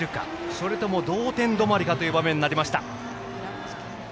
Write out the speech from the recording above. それとも同点止まりかという場面になりました。